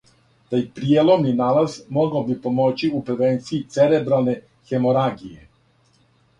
Тај пријеломни налаз могао би помоћи у превенцији церебралне хеморагије.